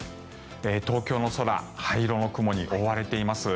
東京の空灰色の雲に覆われています。